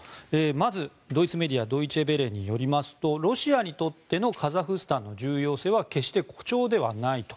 まず、ドイツメディアドイチェ・ヴェレによりますとロシアにとってのカザフスタンの重要性は決して誇張ではないと。